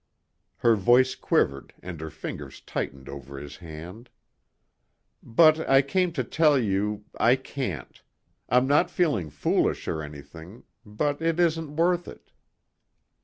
Her voice quivered and her fingers tightened over his hand. "But I came to tell you ... I can't. I'm not being foolish or anything. But it isn't worth it."